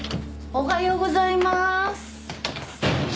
おはようございます。